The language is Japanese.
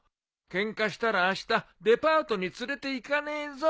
ケンカしたらあしたデパートに連れて行かねえぞ。